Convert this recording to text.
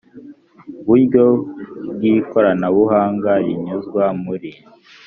buryo bw ikoranabuhanga rinyuzwa muri